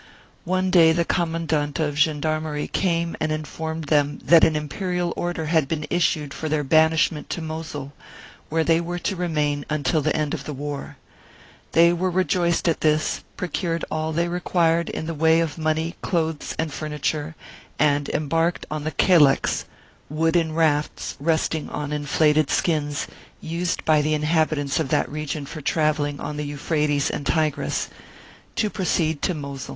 One day the Commandant of Gendarmerie came and informed them that an Imperial Order had been issued for their banish ment to Mosul, where they were to remain until the end of the war. They were rejoiced at this, pro cured all they required in the way of money, clothes, and furniture, and embarked on the keleks (wooden rafts resting on inflated skins, used by the inhabitants of that region for travelling on the Euphrates and Tigris) to proceed to Mosul.